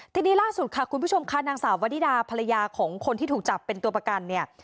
ทีนี้ล่าสุดค่ะคุณผู้ชมค่ะนางสาววนิดาภรรยาของคนที่ถูกจับเป็นตัวประกันเนี่ย